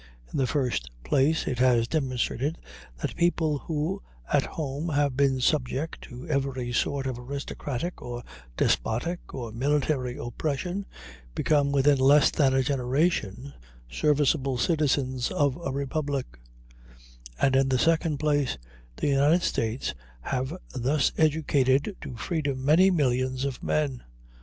In the first place, it has demonstrated that people who at home have been subject to every sort of aristocratic or despotic or military oppression become within less than a generation serviceable citizens of a republic; and, in the second place, the United States have thus educated to freedom many millions of men.